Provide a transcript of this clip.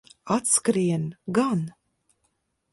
Atskrien gan.